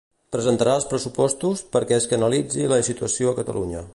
Presentarà els pressupostos “perquè es canalitzi la situació a Catalunya”.